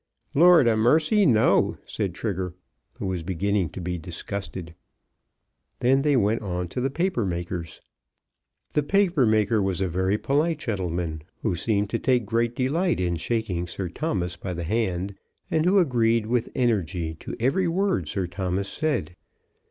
"Lord 'a mercy, no," said Trigger, who was beginning to be disgusted. Then they went on to the paper maker's. The paper maker was a very polite gentleman, who seemed to take great delight in shaking Sir Thomas by the hand, and who agreed with energy to every word Sir Thomas said.